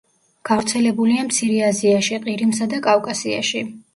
გავრცელებულია მცირე აზიაში, ყირიმსა და კავკასიაში.